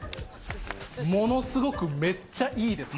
ものすごくめっちゃいいです